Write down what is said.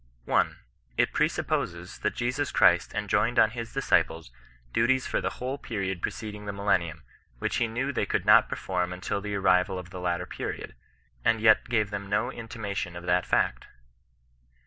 1. It presupposes that Jesus Cbriflt joined on his disciples duties for the whole period pre* ceding the millennium, which he knew they oould not perform until the arrival of the latter period, and yet gave them no intimation of that fact.